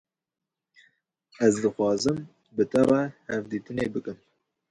Ez dixwazim bi te re hevdîtinê bikim.